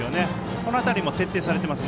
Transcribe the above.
この辺りも徹底されています。